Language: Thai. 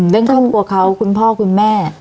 เรื่องครอบครัวเขาคุณพ่อคุณแม่